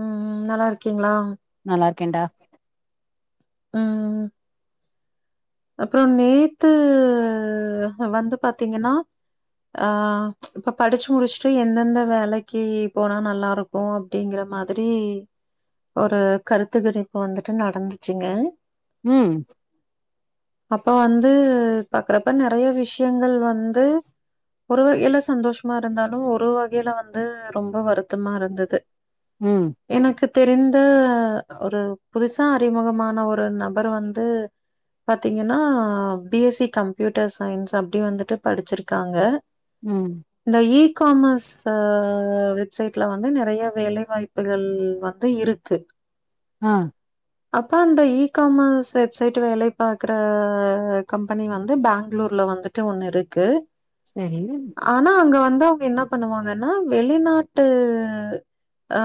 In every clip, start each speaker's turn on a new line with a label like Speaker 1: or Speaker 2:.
Speaker 1: உம் நல்லா இருக்கீங்ளா
Speaker 2: நல்லாருக்கேன்டா
Speaker 1: உம் அப்பறோ நேத்து வந்து பாத்தீங்கனா ஆ இப்ப படிச்சு முடிச்சுட்டு எந்தெந்த வேலைக்கு போனா நல்லா இருக்கு அப்டிங்கற மாதிரி ஒரு கருத்து கணிப்பு வந்துட்டு நடந்துச்சுங்க
Speaker 2: உம்
Speaker 1: அப்ப வந்து பாக்றப்ப நெறைய விஷயங்கள் வந்து ஒரு வகையில சந்தோஷமா இருந்தாலு ஒரு வகையில வந்து ரொம்ப வருத்தமா இருந்தது
Speaker 2: உம்
Speaker 1: எனக்கு தெரிந்த ஒரு புதுசா அறிமுகமான ஒரு நபர் வந்து பாத்தீங்கனா பி எஸ்சி கம்ப்யூட்டர் சயின்ஸ் அப்டி வந்துட்டு படிச்சிருக்காங்க
Speaker 2: உம்
Speaker 1: இந்த இ காமஸ் ச வெப்சைட்ல வந்து நெறைய வேலை வாய்ப்புகள் வந்து இருக்கு
Speaker 2: உம்
Speaker 1: அப்ப அந்த இ காமஸ் வெப்சைட் வேலைக் பாக்குற கம்பெனி வந்து பேங்ளூர்ல வந்துட்டு ஒண்ணு இருக்கு
Speaker 2: செரி
Speaker 1: ஆனா அங்க வந்து அவுங்க என்ன பண்ணுவாங்கனா வெளிநாட்டு ஆ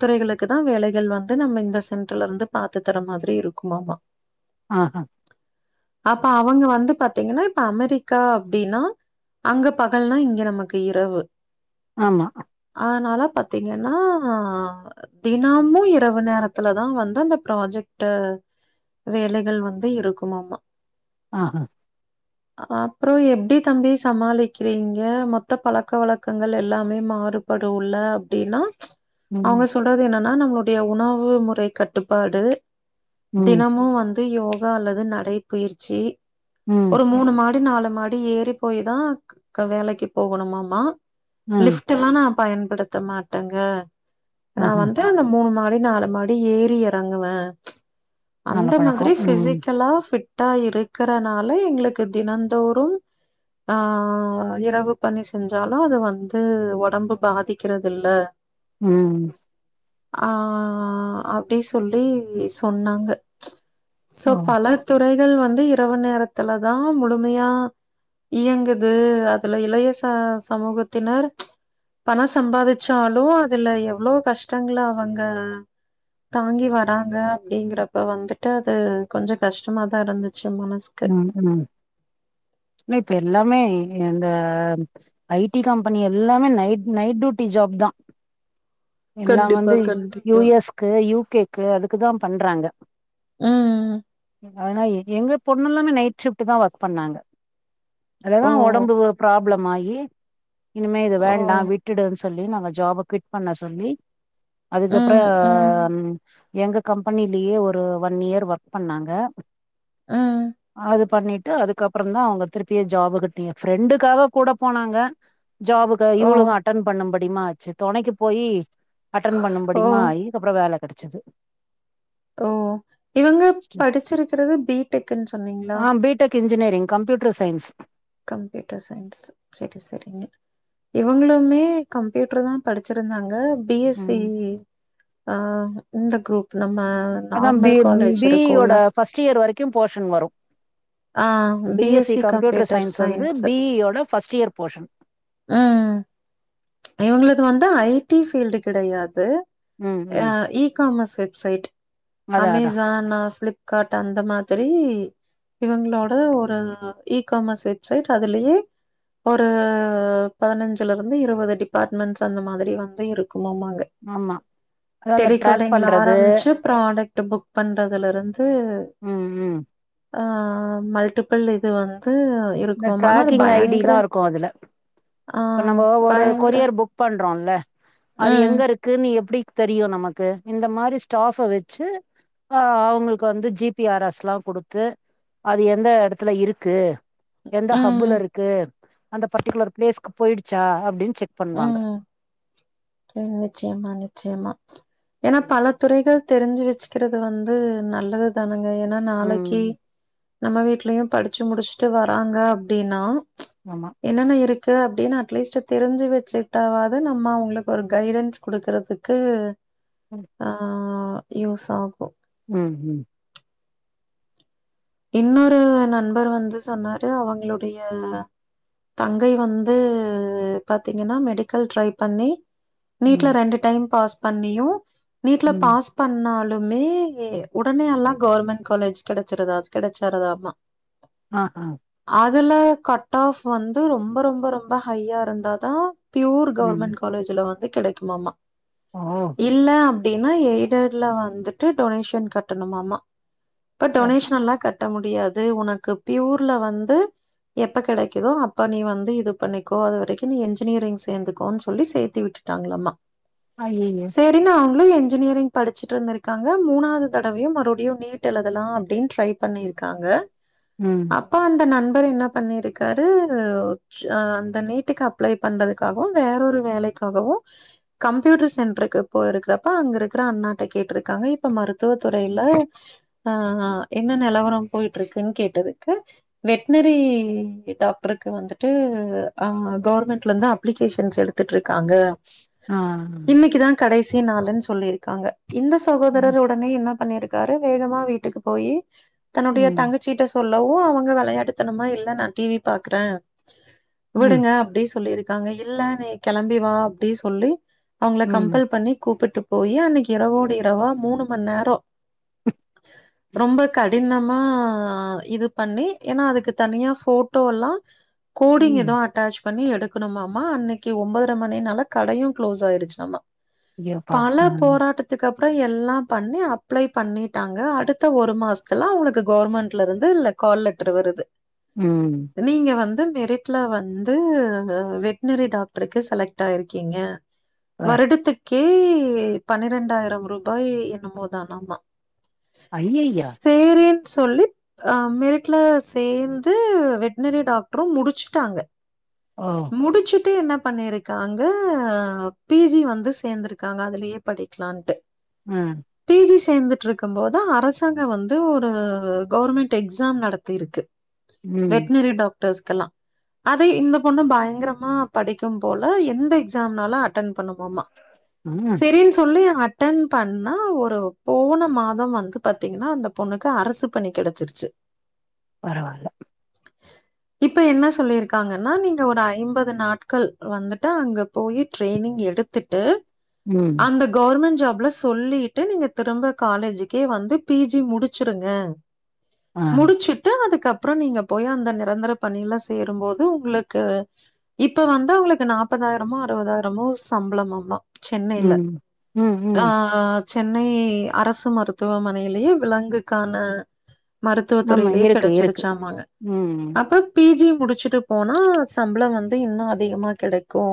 Speaker 1: துறைகளுக்கு தா வேலைகள் வந்து நம்ம இந்த சென்டர்லருந்து பாத்து தர மாதிரி இருக்குமாமா
Speaker 2: ஆ ஹ
Speaker 1: அப்ப அவுங்க வந்து பாத்தீங்னா இப்ப அமெரிக்கா அப்டினா அங்க பகல்னா இங்க நமக்கு இரவு
Speaker 2: ஆமா
Speaker 1: ஆனால பாத்தீங்கனா தினமும் இரவு நேரத்துல தா வந்து அந்த ப்ராஜெக்ட்டு வேலைகள் வந் து இருக்குமாமா
Speaker 2: ஆ ஹ
Speaker 1: அப்றோ எப்டி தம்பி சமாளிக்றீங்க மொத்த பழக்க வழக்கங்கள் எல்லாமே மாறு படுல்ல அப்டின்னா அவுங்க
Speaker 2: ம்
Speaker 1: சொல்றது என்னனா நம்ளுடைய உணவு முறை கட்டுப்பாடு
Speaker 2: ம்
Speaker 1: தினமு வந்து யோகா அல்லது நடைபயிற்சி
Speaker 2: ம்
Speaker 1: ஒரு மூணு மாடி நாலு மாடி ஏறி போயி தா க வேலைக்கு போகணுமாமா
Speaker 2: ம்
Speaker 1: லிஃப்டுல்லா நா பயன்படுத்த மாட்டேங்க நா
Speaker 2: ஆஹா
Speaker 1: வந்து அந்த மூணு மாடி நாலு மாடி ஏறி எறங்குவே
Speaker 2: நல்ல
Speaker 1: அந்த மாதிரி
Speaker 2: பழக்கம் ம்
Speaker 1: ஃபிசிக் லா ஃபிட்டா இருக்கறனால எங்களுக்கு தினந்தோறு ஆ இரவு பணி செஞ்சாலு அது வந்து ஒடம்பு பாதிக்கிறதில்ல
Speaker 2: ம்
Speaker 1: ஆ அப்டி சொல்லி சொன்னாங்க சோ
Speaker 2: ஓ
Speaker 1: ல துறைகள் வந்து இரவு நேரத்துல தா முழுமையா இயங்குது அதுல இளைய ச சமூகத்தினர் பணோ சம்பாதிச்சாலு அதுல எவ்ளோ கஷ்டங்கள அவங்க தாங்கி வராங்க அப்டிங்கிறப்ப வந்துட்டு அது கொஞ்சோ கஷ்டமாதா இருந்துச்சு மனசு
Speaker 2: ம் ம் னே இப்ப எல்லாமே இந்த ஐ டி கம்பெனி எல்லாமே நைட் நைட் டூட்டி ஜாப் தா எல்லா
Speaker 1: கண்டிப்பா,
Speaker 2: வந்து யு
Speaker 1: கண்டிப்பா.
Speaker 2: எஸ் கு யூ கே க்கு அதுக்குதா பண்றாங்க
Speaker 1: ம்
Speaker 2: ங்க ஆனா எங்க பொண்ணுலாமே நைட் ஷிஃப்ட்டு தா ஒர்க் பண்ணாங்க அதுல தா ஒடம்பு ப்ராப்ளமாயி இனிமே இது வேண்டா வி ட்டுடுன்னு சொல்லி ட்டுடு ன் சொல்லி நாங்க ஜாப் குய்ட் பண்ண சொல்லி அதுக்கப்றோ எங்க கம்பெனிலயே ஒரு ஒன் இயர் ஒர்க் பண்ணாங்க
Speaker 1: ம்
Speaker 2: அது பண்ணிட்டு அதுக்கப்றோ தா அவுங்க திருப்பியு ஜாப்புகட்டி எ ஃப்ரெண்டுக்காக கூட போனாங்க ஜாபுக்கா இவளுக்கு அட்டன் பண்ணும்படியுமாச்சு தொணைக்கு போயி அட்டென்
Speaker 1: ஓ,
Speaker 2: பண்ணும்படியுமாயி அதுக்கப்றோ வேல கெடச்சது
Speaker 1: ஓ இவுங்க படிச்சிருக்றது பி டெக் னு சொன்னீங்ளா
Speaker 2: ஆ B tech engineering computer science
Speaker 1: computer science செரி செரிங்க இவுங்களுமே கம்ப்யூட்ரு தா படிச்சுருந்தாங்க பி எஸ் சி
Speaker 2: ம்
Speaker 1: அ இந்த குரூப் நம்ம
Speaker 2: அதா B
Speaker 1: normal college
Speaker 2: B E
Speaker 1: இருக்கும்ல.
Speaker 2: யோட ஃபர்ஸ்ட் இயர் வரைக்கு போர்ஷன் வரு
Speaker 1: ஆ
Speaker 2: B S C
Speaker 1: BSc
Speaker 2: computer
Speaker 1: computer
Speaker 2: science வந்து பி இ யோட ஃபர்ஸ்ட் இயர் போர்ஷன்
Speaker 1: ம் இவங்களுது வந்து ஐடி பீல்டு கெடையாது
Speaker 2: ம்
Speaker 1: அ
Speaker 2: ம்
Speaker 1: இ காமர்ஸ் வெப்சைட்
Speaker 2: அதா அதா
Speaker 1: அமேசான் அ ஃப்லிப் காட் அந்த மாதிரி இவங்களோட ஒரு இ காமர்ஸ் வெப்சைட் அதுலயே ஒரு பதினஞ்சுல இருந்து இருவது டிபார்ட்மெண்ட்ஸ் அந்த மாதிரி வந்து இருக்குமோமாங்க
Speaker 2: ஆமா அதா அந்த ட்ராக்
Speaker 1: டெலிகாலிங்ல
Speaker 2: பண்றது
Speaker 1: ஆரம்பிச்சு ப்ராடக்ட் புக் பண்றதுல இருந்து
Speaker 2: ம் ம்
Speaker 1: அ மல்டிபுள் இது வந்து
Speaker 2: இந்த
Speaker 1: இருக்குமாமா ஆனா அது
Speaker 2: ட்ரக்கிங்
Speaker 1: பயங்கர
Speaker 2: ஐடிலா இருக்கு அதுல
Speaker 1: ஆ
Speaker 2: இப்ப நம்பொ ஒரு
Speaker 1: பயங்கர
Speaker 2: கொரியர் புக் பண்றோல அது
Speaker 1: ம்
Speaker 2: எங்க இருக்கு நீ எப்டி தெரியு நமக்கு இந்த மாரி ஸ்டாஃப வச்சு ஆ அவ்ங்களுக்கு வந்து ஜிபி ஆர் எஸ் லா குடுத்து அது எந்த எடத்துல இருக்கு எந்த
Speaker 1: ம்
Speaker 2: ஹப்புல இருக்கு அந்த பர்ட்டிகுலர் பிளேஸ்க்கு போயிடுச்சா அப்டின் செக் பண்ணுவாங்க
Speaker 1: ம் நிச்சயமா நிச்சயமா ஏனா பல துறைகள் தெரிஞ்சு வெச்சுக்கிறது வந்து நல்லது தானுங்க ஏனா
Speaker 2: ம்
Speaker 1: நாளைக்கி நம்ம வீட்லயு படிச்சு முடிச்சுட்டு வராங்க அப்டினா
Speaker 2: ஆமா
Speaker 1: என்னென்ன இருக்கு அப்டின்னு அட்லீஸ்ட் தெரிஞ்சு வெச்சுகிட்டாவாவது நம்ம அவுங்களு ஒரு கைடன்ஸ் குடுக்கறதுக்கு
Speaker 2: ம்
Speaker 1: ஆ யூஸ் ஆகு
Speaker 2: ம் ம்
Speaker 1: இன்னொரு நண்பர் வந்து சொன்னாரு அவுங்களுடைய தங்கை வந்து பாத்தீங்கன்னா மெடிக்கல் ட்ரை பண்ணி நீட்ல
Speaker 2: ம்
Speaker 1: ரெண்டு டைம் பாஸ் பண்ணியு நீட்ல
Speaker 2: ம்
Speaker 1: பாஸ் பண்ணாலுமே உடனே எல்லா கவர்மெண்ட் காலேஜ் கெடச்சிறாது கெடைச்சராத ஆமா
Speaker 2: அ ஆஹா
Speaker 1: அதுல கட் ஆஃப் வந்து ரொம்ப ரொம்ப ரொம்ப ஹையா இருந்தாதா பியூர்
Speaker 2: ம்
Speaker 1: கவர்மெண்ட் காலேஜ்ல வந்து கெடைக்குமாமா
Speaker 2: ஓ
Speaker 1: இல்ல அப் டினா எய்டடுல வந்துட்டு டொனேஷன் கட்டணுமாமா இப்ப
Speaker 2: சரிமா
Speaker 1: டொனேஷன்ல்லா கட்ட முடியாது உனக்கு பியூர்ல வந்து எப்ப கெடைக்குதோ அப்போ நீ வந்து இது பண்ணிக்கோ அது வரைக்கு நீ இன்ஜினியரிங் சேந்துக்கோனு சொல்லி சேத்தி விட் டாங்ளாமா
Speaker 2: ஆய்யய்யோ
Speaker 1: பின்ன அவுளு இன்ஜினியரிங் படிச்சிட்டு இருந்திருகாங்க மூணாவது தடவையும் மறுபடியு நீட் எழுதலா அப்டின் ட்ரை பண்ணிருக்காங்க
Speaker 2: ம்
Speaker 1: அப்ப அந்த நண்பர் என்ன பண்ணிருக்காரு அ அந்த நீட்டுக்கு அப்ளை பண்றதுக்காகவு வேறொரு வேலைக்காகவு கம்ப்யூட்டர் சென்ட்ருக்கு போயிருக்கப்ப அங்க இருக்கற அண்ணாட்ட கேட்டு இருக்காங்க இப்ப மருத்துவ துறைல அ ஆ என்ன நிலவர போயிட்டு இருக்குன்னு கேட்டதுக்கு வெட்னரி டாக்டருக்கு வந்துட்டு அப் கவுர்மெண்ட்லந்து அப்லிகேஷன்ஸ் எடு த்துட்டு இருக்காங்க
Speaker 2: ஆ
Speaker 1: இன்னைக்குதா கடைசி நாளுனு சொல்லிருக்காங்க இந்த
Speaker 2: ம்
Speaker 1: சகோதரரோ உடனே என்ன பண்ணிருக்காரு வேகமா வீட்டுக்கு போயி தன்னுடைய
Speaker 2: ம்
Speaker 1: தங்கச்சிகிட்ட சொல்லவு அவுங்க வெளயாட்டுத்தணமா இல்ல நா டி வி பாக்குற
Speaker 2: ம்
Speaker 1: விடுங்க அப்டி சொல்லிருக்காங்க இல்ல நீ கெளம்பி வா அப்டி சொல்லி அவுங்கள
Speaker 2: ம்
Speaker 1: கம்பல் பண்ணி கூப்புட்டு போயி அன்னைக்கு இரவோடு இரவா மூணு மண்நேரோ ரொம்ப கடினமா இது பண்ணி ஏனா அதுக்கு தனியா போட்டோல்லா கோடிங் எதோ
Speaker 2: ம்
Speaker 1: அட்டாச் பண்ணி எடுக்கணுமாமா அன்னைக்கு ஒன்பதர மணினால கடையு க்ளோஸ் ஆயிடுச்சாமா
Speaker 2: ஐயோ
Speaker 1: பல
Speaker 2: பாவோ
Speaker 1: போராட்டத் துக்கப்றோ எல்லா பண்ணி அப்ளை பண்ணிட்டாங்க அடுத்த ஒரு மாச த்துல அவுங்களுக்கு கவுர்மெண்ட்ல இருந்து லெ கால் லெட்டர் வருது
Speaker 2: ம்
Speaker 1: நீங்க வந்து மெரிட்ல வந்து வெட்னரி டாக்டருக்கு செலக்ட் ஆயிருக்கீங்க
Speaker 2: வேற
Speaker 1: வருடத்துக்கே பன்னிரெண்டாயிரம் ரூபாய் என்னோ மோதானாமா
Speaker 2: ஐய்ஐயோ
Speaker 1: சேரின் சொல்லு ஆ மெரிட்ல சேந்து வெட்னரி டாக்டரு முடிச்சுட்டாங்க
Speaker 2: ஓ
Speaker 1: முடிச்சுட்டு என்ன பண்ணி இருக்காங்க பி ஜி வந்து சேந்து இருக்காங்க அதுலயே படிக்லான்ட்டு
Speaker 2: ஹ
Speaker 1: பி ஜி சேந்துட்ருக்கு போதா அரசாங்க வந்து து ஒரு கவர்மெண்ட் எக்ஸாம் நடத்திருக்கு
Speaker 2: ம்
Speaker 1: வெட்னரி டாக்டர்ஸ்கெல்லா அதே இந்த பொண்ணு பயங்கரமா படிக்கு போல எந்த எக்ஸாம்னாலு அட்டன் பண்ணுமா ம
Speaker 2: ம்
Speaker 1: செரினு சொல்லி அ ட்டன் பண்ணா ஒரு போன மாதோ வந்து பாத்தீங்கென்னா அந்த பொண்ணுக்கு அரசு பணி கெடைச்ருச்சு
Speaker 2: பரவால்ல
Speaker 1: இப்ப என்ன சொல்லி இருக்காங்கன்னா நீங்க ஒரு ஐம்பது நாட்கள் வந்துட்டு அங்க போயி ட்ரெய்னிங் எடுத் துட்டு
Speaker 2: ம்
Speaker 1: அந்த கவர்மெண்ட் ஜாப்ல சொல்லிட்டு நீங்க திரும்ப காலேஜுக்கே வந்து பி ஜி முடிச் சுருங்க
Speaker 2: ஆ
Speaker 1: முடிச்சுட் டு அதுக்கப்றோ நீங்க போயி அந்த நிரந்தர பணில சேரும்போது உங்களுக்கு இப்ப வந்து அவுங்களுக்கு நாப்பதாயிரமோ அறுவதாயிரமோ சம்பளமாம்மா சென்னையில
Speaker 2: ம் ம்
Speaker 1: ஆ
Speaker 2: ம்
Speaker 1: சென்னை அரசு மருத்துவமனையிலயே விலங்குக்கான மருத்துவ
Speaker 2: ஆமா
Speaker 1: துறையிலேயே
Speaker 2: இருக்கு இருக்கு
Speaker 1: கெடைச்சிருச்சாமாங்க
Speaker 2: ம்
Speaker 1: அப்ப பி ஜி முடிச்சுட்டு போனா சம்பளோ வந்து இன்னு அதிகமா கெடைக்கு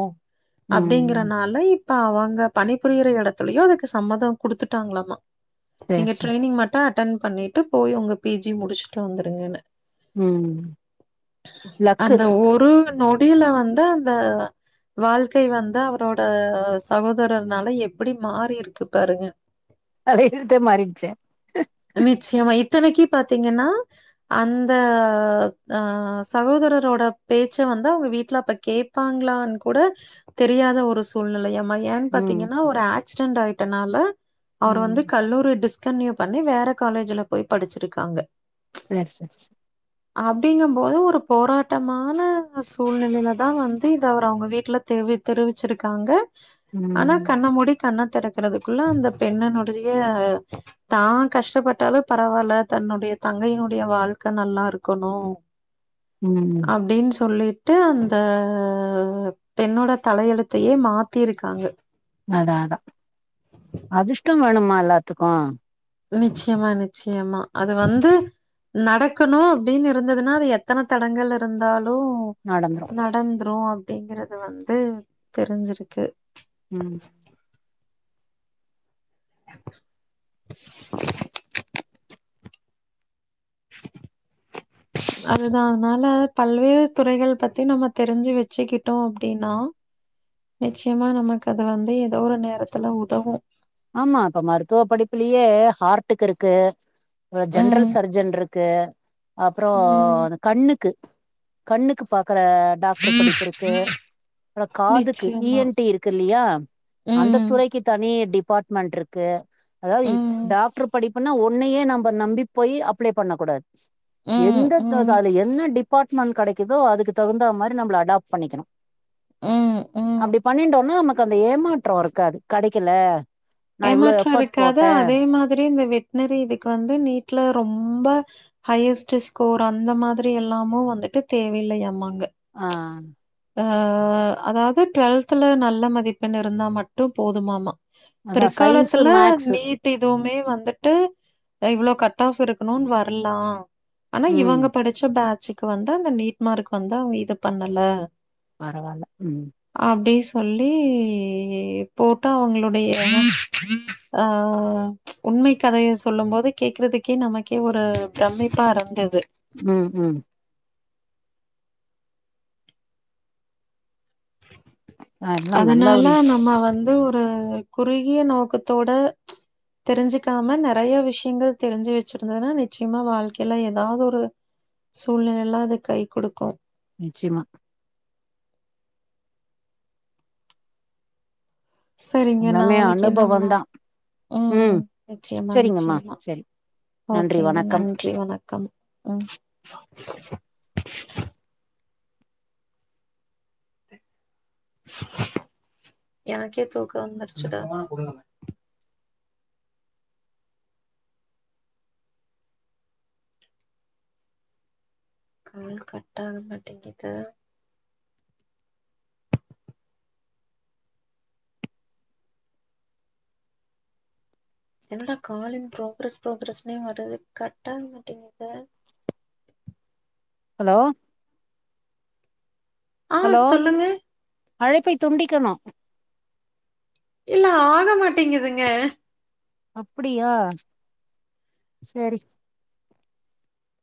Speaker 2: ம்
Speaker 1: அப்டிங்கிறனால இப் ப அவங்க பணிபுரியிற இடத்துலயு அதுக்கு சம்மதோ குடுத்துட்டாங்களாமா நீங்க
Speaker 2: சேர் சேர்
Speaker 1: ட்ரெய்னிங் மட் அட்டன் பண்ணிட்டு போயி உங்க பி ஜி முடிச்சுட்டு வந்துருங்கென்னு
Speaker 2: உம் லக்கு
Speaker 1: உம் நொடியில வந்து அந்த வாழ்க்கை வந்து அவரோட சகோதரர்னால எப்பிடி மாறி இருக்கு பாருங்க
Speaker 2: தலை எழுத்தே மாரிட்ச்சே
Speaker 1: நிச்சயமா இத்தனைக்கி பாத்தீங்கென்னா அந்த ஆ சகோதரரோட பேச்ச வந்து அவுங்க வீட்ல அப்ப கேப் பாங்களான் கூட தெரியாத ஒரு சூழ்நிலையாமா ஏன்
Speaker 2: ம்
Speaker 1: பாத்தீங்கன்னா ஒரு ஆக்ஸ்டெண்ட் ஆயிட்டனால அவர்
Speaker 2: ம்
Speaker 1: வந்து கல்லூரி டிஸ் கண்ட்டின்யூ பண்ணி வேற காலேஜ்ல போய் படிச்சிருக்காங்க
Speaker 2: பிளாக் சென்ஸ்
Speaker 1: அப்டிங்கும் போது ஒரு போராட்டமான சூழ்நிலைல தா வந்து இது அவர் அவுங்க வீட்டுல தெவி தெரிவிச்சி இருக்காங்க ஆனா
Speaker 2: ம்
Speaker 1: கண்ண மூடி கண்ண திறக்கறதுக்குள்ள அந்த பொண்ணனோடய தா கஷ்டப்பட்டாலு பரவா இல்ல தன்னோடய தங்கையினோட வாழ்க்க நல்லா இருக்கணு
Speaker 2: [inaudible] ம்
Speaker 1: அப்டின்னு சொல்லிட் ட்டு அந்த பெண்ணோட தலையெழுத்தையே மாத்திருக்காங்கு
Speaker 2: அதா அதா அதிஷ்டம் வேணுமா எல்லாத்துக்கு
Speaker 1: நிச்சயமா நிச்சயமா அது வந்து நடக்கணு அப்டின் இருந்ததுன்னா அது எத்தன தடங்கல் இருந்தாலு
Speaker 2: நடந்துரு
Speaker 1: நடந்த்ரு அப்படிங்கிறத வந்து தெரிஞ்சிருக்கு
Speaker 2: ம்
Speaker 1: [unintelligible]
Speaker 2: [inaudible]
Speaker 1: அதுதா அனால பல்வேறு துறைகள் பத்தி நம்ம தெரிஞ்சு வச்சிக்கிட்டோ அப்டின்னா நிச்சயமா நமக் அது வந்து ஏதோ ஒரு நேரத்துல உதவு
Speaker 2: ஆமா அப்ப மருத்துவ படிப்புலியே ஹார்ட்டுக்குருக்கு வ
Speaker 1: ம்,
Speaker 2: ஜென்ரல் சர்ஜன்ருக் கு அப்றோ
Speaker 1: ம்.
Speaker 2: இனு கண்ணுக்கு கண்ணுக்கு பாக்கறன் டாக்டர் படிப்புருக்கு ப்ற காதுக்கு
Speaker 1: நிச்சயமா.
Speaker 2: ஈஎன்டி இருக்கு இல்லையா அந்த
Speaker 1: ம்,
Speaker 2: துறைக்கி தனி டிபாட் மன்ட்ருக்கு அதாவ்இ
Speaker 1: ம்,
Speaker 2: டாக்டர் படிப்புன்னா உன்னையே நம்ப நம்பி போயி அப்ளை பண்ணக்கூடாத்
Speaker 1: ம்,
Speaker 2: எந்தத்தோ அது
Speaker 1: ம்,
Speaker 2: அல என்ன டிப் பாட்மண் கடைக்குதோ அதுக்குத் தகுந்தா மாரி நம்ம அடாப் பண்ணிக்கிணு
Speaker 1: ம் ம்
Speaker 2: அப்டி பண்ணின்டோனா நமக்கு அந்த ஏமாற்றோ இருக்காது கடைக்கில
Speaker 1: ஏமாற்றோ இருக்காது அதே மாதிரி இந்த வெட்னரி திக்கு வந்து நீட்ல ரொம்ப ஹையஸ்ட்டு ஸ்கோர் அந்த மாதிரி எல்லாமு வந்துட்டு தேவையில்லையாமாங்க
Speaker 2: ஆ
Speaker 1: அ அதாவ்து டுவெல்த்ல நல்ல மதிப்பெண் இருந்தா மட்டு போதுமாமா
Speaker 2: அதா சயின்ஸு
Speaker 1: பிற்காலத்துல
Speaker 2: மேக்ஸு
Speaker 1: நீட் டிதுமே வந்துட்டு அ இவ்ளோ கட் ஆஃப் இருக்குணுன் வர்லா ஆனா
Speaker 2: ம்
Speaker 1: இவங்க படிச்ச பேட்சுக்கு வந்து அந்த நீட் மார்க் வந்து அவங்க இது பண்ணல
Speaker 2: பரவால்ல உம்
Speaker 1: அப்டி சொல்லிப் போட்டு அவ்ங்களுடைய ஆ உண்மை கதைய சொல்லும்போது கேக்குறதுக்கே நமக்கே ஒரு ப்ரமிப்பா ருந்தது
Speaker 2: ம் ம் ஆ எல்லா நல்லா
Speaker 1: அதனால நம்ம வந்து ஒரு குறுகிய நோக்கத்தோட தெரிஞ்சுக்காம நெறையா விஷ்யுங்கள் தெரிஞ்சு வச்சிருந்தானா நிச்சயமா வாழ்க்கையில ஏதாவொரு சூழ்நிலையில அது கை குடுக்கு
Speaker 2: நிச்சிமா
Speaker 1: சரிங்க
Speaker 2: எல்லாமே
Speaker 1: நாளைக்கே நம்ம
Speaker 2: அனுபவந்தா
Speaker 1: ம் நிச்சயமா
Speaker 2: செரிங்கம்மா
Speaker 1: நிச்சயமா
Speaker 2: செரி நன்றி
Speaker 1: ஓகேங்க
Speaker 2: வணக்கம்
Speaker 1: நன்றி வணக்கம் ம் எனக்கே தூக்கோ வந்துருச்சுடா கால் கட் ஆக மாட்டேங்குது என்னடா கால் இன் ப்ரோக்ரஸ் ப்ரோக்ரஸ்னே வருது கட் ஆக மாட்டேங்குது
Speaker 2: ஹலோ
Speaker 1: ஆ
Speaker 2: ஹலோ
Speaker 1: சொல்லுங்க
Speaker 2: அழைப்பை துண்டிக்கணு
Speaker 1: இல்ல ஆக மாட்டேங்கிதுங்க
Speaker 2: அப்படியா சரிஸ்